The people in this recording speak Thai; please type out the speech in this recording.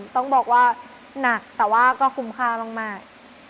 ต้องบอกว่าหนักแต่ว่าก็คุ้มค่ามาก